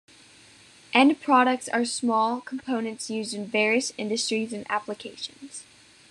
End products are small components used in various industries and applications.